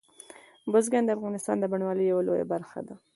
بزګان د افغانستان د بڼوالۍ یوه لویه برخه ده.